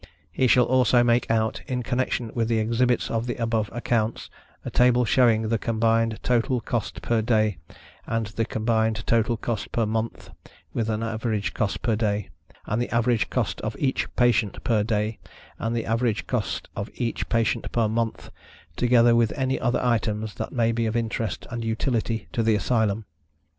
He shall also make out, in connection with the exhibits of the above accounts, a table showing the combined total cost per day, and the combined total cost per month, with an average cost per day; and the average cost of each patient per day, and the average cost of each patient per month, together with any other items that may be of interest and utility to the Asylum.